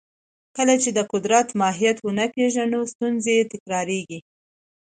کله چې د قدرت ماهیت ونه پېژنو، ستونزې تکراریږي.